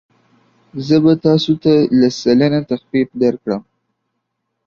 زه به تاسو ته لس سلنه تخفیف درکړم.